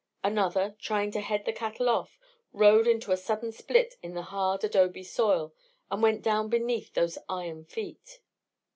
Another, trying to head the cattle off, rode into a sudden split in the hard adobe soil and went down beneath those iron feet.